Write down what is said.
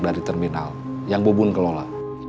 dari terminal yang bubun kelola